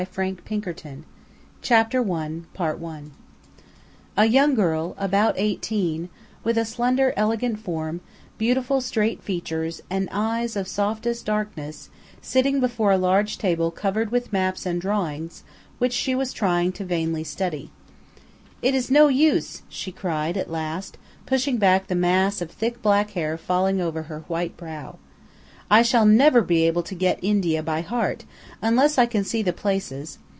WON BY CRIME CHAPTER I A young girl, about eighteen, with a slender, elegant form, beautiful straight features, and eyes of softest darkness, sitting before a large table covered with maps and drawings, which she was trying vainly to study. "It is no use!" she cried, at last, pushing back the mass of thick black hair falling over her white brow; "I shall never be able to get India by heart, unless I can see the places.